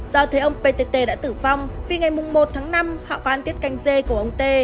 do thế ông ptt đã tử vong vì ngày mùng một tháng năm họ có ăn tiết cành dê của ông t